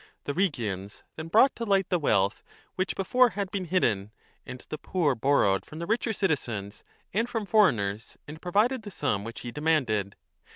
The Rhegians then brought to light the wealth which before had been hidden, and the poor borrowed from the richer citizens and from foreigners and provided 5 the sum which he demanded.